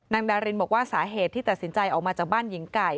ดารินบอกว่าสาเหตุที่ตัดสินใจออกมาจากบ้านหญิงไก่